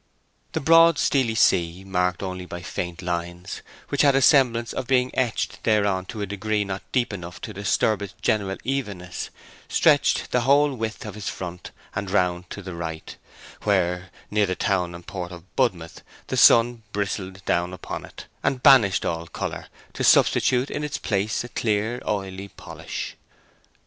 The broad steely sea, marked only by faint lines, which had a semblance of being etched thereon to a degree not deep enough to disturb its general evenness, stretched the whole width of his front and round to the right, where, near the town and port of Budmouth, the sun bristled down upon it, and banished all colour, to substitute in its place a clear oily polish.